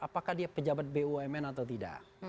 apakah dia pejabat bumn atau tidak